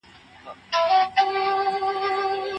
په کنايي طلاق کي نيت معتبر دی.